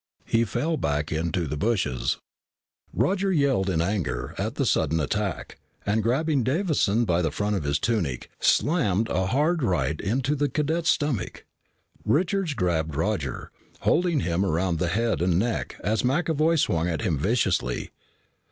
He fell back into the bushes. Roger yelled in anger at the sudden attack, and grabbing Davison by the front of his tunic, slammed a hard right into the cadet's stomach. Richards grabbed Roger, holding him around the head and neck, as McAvoy swung at him viciously.